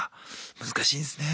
難しいですね。